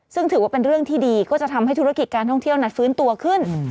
ซึ่งถือว่าเป็นเรื่องที่ดีก็จะทำให้ธุรกิจการท่องเที่ยวนั้นฟื้นตัวขึ้น